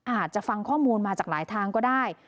อาจจะฟังข้อมูลมาจากหลายทางก็ได้